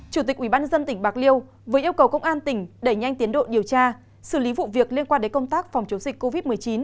chủ tịch ủy ban nhân dân tỉnh bạc liêu với yêu cầu công an tỉnh đẩy nhanh tiến độ điều tra xử lý vụ việc liên quan đến công tác phòng chống dịch covid một mươi chín